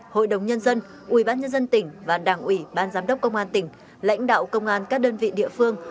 hội đồng nhân dân ubnd ubnd tỉnh và đảng ủy ban giám đốc công an tỉnh lãnh đạo công an các đơn vị địa phương